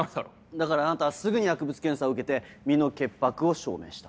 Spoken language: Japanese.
だからあなたはすぐに薬物検査を受けて身の潔白を証明した。